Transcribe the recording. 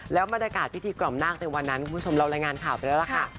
แล้วบรรยากาศพิธีกล่อมนาคในวันนั้นคุณผู้ชมเรารายงานข่าวไปแล้วล่ะค่ะ